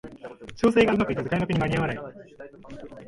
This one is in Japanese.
調整がうまくいかず開幕に間に合わない